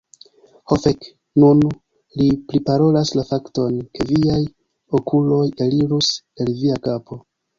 Ho fek. Nun li priparolas la fakton, ke viaj okuloj elirus el via kapo.